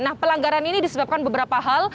nah pelanggaran ini disebabkan beberapa hal